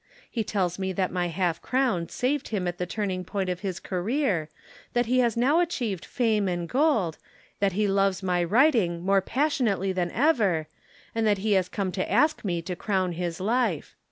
He tells me that my half crown saved him at the turning point of his career, that he has now achieved fame and gold, that he loves my writing more passionately than ever, and that he has come to ask me to crown his life.